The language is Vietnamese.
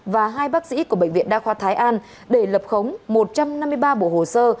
và hai bác sĩ của bệnh viện đa khoa thái an để lập khống một trăm năm mươi ba bộ hồ sơ